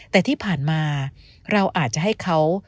แต่ที่ผ่านมาเราอาจจะให้เขา